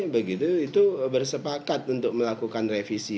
begitu itu bersepakat untuk melakukan revisi